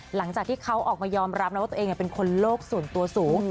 หลังจากที่เขาออกมายอมรับนะว่าตัวเองเป็นคนโลกส่วนตัวสูง